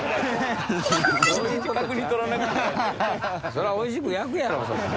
そりゃおいしく焼くやろ。